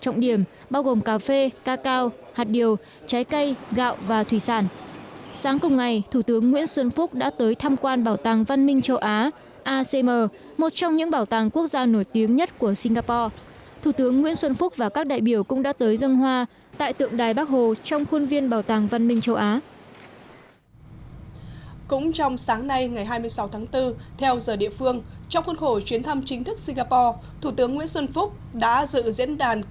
cũng trong sáng nay ngày hai mươi sáu tháng bốn theo giờ địa phương trong khuôn khổ chuyến thăm chính thức singapore thủ tướng nguyễn xuân phúc đã dự diễn đàn kinh doanh việt nam singapore